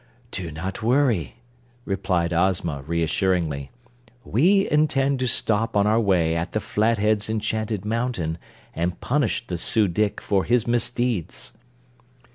"Do not worry," returned Ozma, reassuringly. "We intend to stop on our way at the Flatheads' Enchanted Mountain and punish the Su dic for his misdeeds."